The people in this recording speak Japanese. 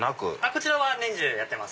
こちらは年中やってます。